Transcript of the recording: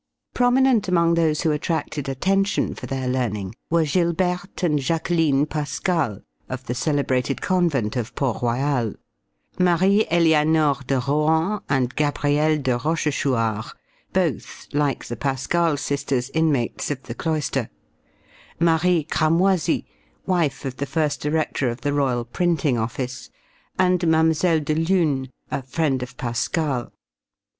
Prominent among those who attracted attention for their learning were Gilberte and Jaqueline Pascal, of the celebrated convent of Port Royal; Marie Eleanore de Rohan and Gabrielle de Rochechouart, both, like the Pascal sisters, inmates of the cloister; Marie Cramoisy, wife of the first director of the royal printing office, and Mlle. de Luynes, a friend of Pascal.